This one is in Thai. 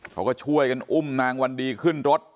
เขาก็ช่วยกันอุ้มนางวันดีขึ้นรถ